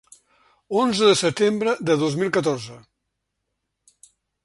Onze de setembre de dos mil catorze.